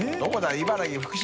茨城福島。